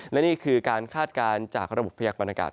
และนี่คือการคาดการณ์จากระบบพยากรณากาศ